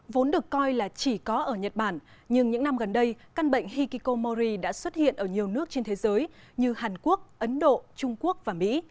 vốn được coi là chỉ có ở nhật bản nhưng những năm gần đây căn bệnh hikikomori đã xuất hiện ở nhiều nước trên thế giới như hàn quốc ấn độ trung quốc và mỹ